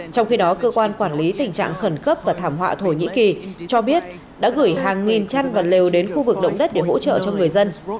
trong khi đó cơ quan quản lý tình trạng khẩn cấp và thảm họa thổ nhĩ kỳ cho biết đã gửi hàng nghìn chăn và lều đến khu vực động đất để hỗ trợ cho người dân